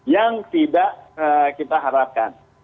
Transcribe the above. yang tidak kita harapkan